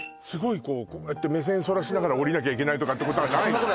こうこうやって目線そらしながらおりなきゃいけないとかってことはないのね？